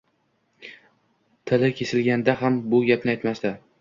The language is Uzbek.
Tili kesilganda ham bu gapni aytmasdi.